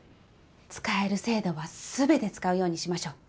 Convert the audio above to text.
使える制度は全て使うようにしましょう。